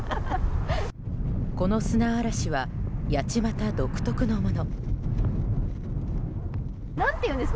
この砂嵐は八街独特のもの。